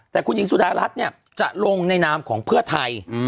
แต่คุณหญิงสุดารัฐเนี่ยจะลงในนามของเพื่อไทย